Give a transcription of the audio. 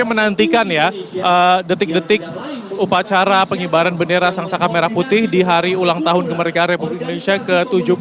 saya menantikan ya detik detik upacara pengibaran bendera sangsaka merah putih di hari ulang tahun kemerdekaan republik indonesia ke tujuh puluh dua